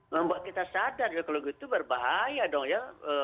membuat kita sadar ya kalau begitu berbahaya dong ya